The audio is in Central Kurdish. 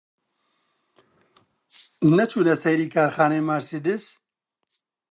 نەچوونە سەیری کارخانەی مارسیدس؟